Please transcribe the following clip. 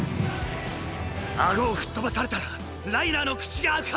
顎を吹っ飛ばされたらライナーの口が開くはずだ。